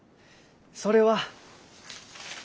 それは。